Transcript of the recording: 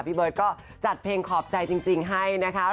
พี่เบิร์ตก็จัดเพลงขอบใจจริงให้นะคะ